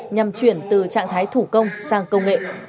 nhằm chuyển từ trạng thái thủ công sang công nghệ